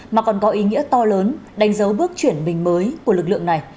mà còn có ý nghĩa to lớn đánh dấu bước chuyển mình mới của lực lượng này